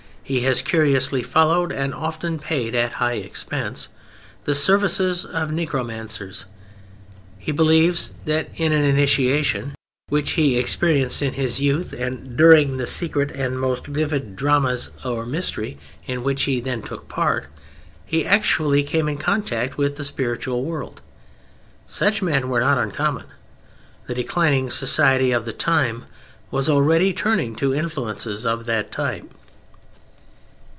He has curiously followed, and often paid at high expense, the services of necromancers; he believes that in an "initiation" which he experienced in his youth, and during the secret and most vivid drama or "mystery" in which he then took part, he actually came in contact with the spiritual world. Such men were not uncommon. The declining society of the time was already turning to influences of that type.